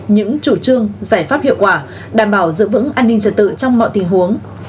những chủ trương giải pháp hiệu quả đảm bảo giữ vững an ninh trật tự trong mọi tình huống